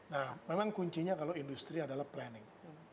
nah memang kuncinya kalau industri adalah planning